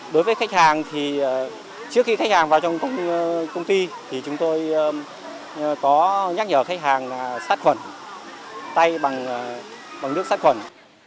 đối với khách hàng thì trước khi khách hàng vào trong công ty thì chúng tôi có nhắc nhở khách hàng là sát khuẩn tay bằng nước sát khuẩn